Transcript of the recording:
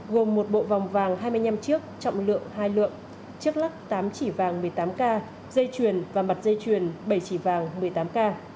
gồm một bộ vòng vàng hai mươi năm chiếc trọng lượng hai lượng trước lắc tám chỉ vàng một mươi tám k dây chuyền và mặt dây chuyền bảy chỉ vàng một mươi tám k